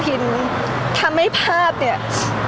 พี่ตอบได้แค่นี้จริงค่ะ